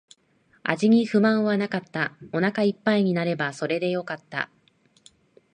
味に不満はなかった。お腹一杯になればそれでよかった。